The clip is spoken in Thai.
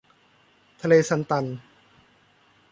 ทะเลซัลตัน